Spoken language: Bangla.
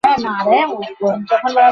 চেহারার অর্ধেকাংশে তখনও চামড়া ছিল।